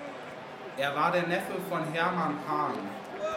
Er war der Neffe von Hermann Hahn.